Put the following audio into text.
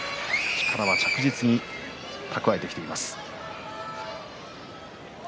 力は着実に蓄えてきています。